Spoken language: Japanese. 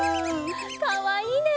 かわいいね！